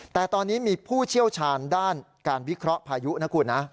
แต่ตอนนี้มีผู้เชี่ยวชาญด้านการวิเคราะห์พายุนะคุณนะ